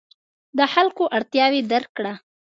د خلکو اړتیاوې درک کړه.